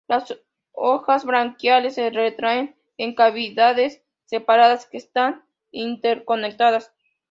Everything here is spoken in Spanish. Las hojas branquiales se retraen en cavidades separadas, que están interconectadas.